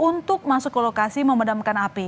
untuk masuk ke lokasi memadamkan api